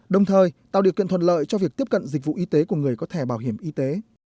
đồng thời tạo điều kiện thuận lợi cho việc tiếp cận dịch vụ y tế của người có thẻ bảo hiểm y tế